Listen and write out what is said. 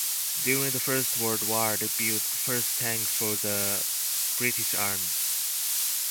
During the First World War they built the first tanks for the British Army.